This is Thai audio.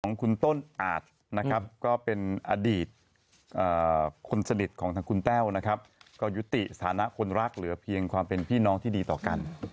ของคุณต้นอาจนะครับก็เป็นอดีตคนสนิทของทางคุณแต้วนะครับก็ยุติสถานะคนรักเหลือเพียงความเป็นพี่น้องที่ดีต่อกัน